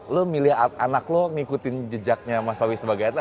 lo milih anak lo ngikutin jejaknya mas owi sebagai atlet